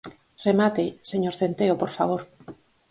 Remate, señor Centeo, por favor.